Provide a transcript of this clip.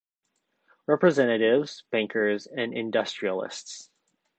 Representatives, bankers and industrialists.